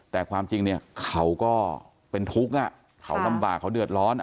แต่ความจริงเนี่ยเขาก็เป็นทุกข์เขาลำบากเขาเดือดร้อน